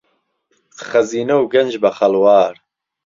خهزینه و گهنج به خهڵوار